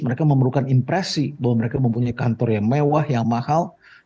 mereka memerlukan impresi bahwa mereka mempunyai kantor yang mewah yang mahal